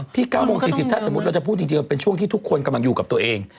พี่๙โมง๔๐ถ้าจะพูดจริงเป็นช่วงที่ทุกคนกำลังอยู่กับตัวเอง